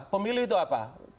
pemilih itu apa